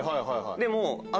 でも。